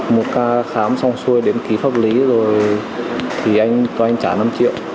một ca khám xong xuôi đến ký pháp lý rồi thì anh cho anh trả năm triệu